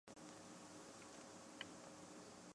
一起聚集与交流